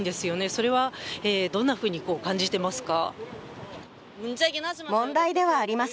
それはどんなふうに感じていますか？